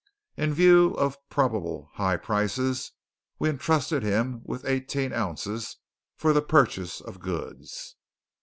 In view of probable high prices we entrusted him with eighteen ounces for the purchase of goods.